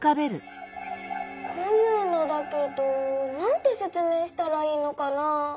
こういうのだけどなんてせつめいしたらいいのかな？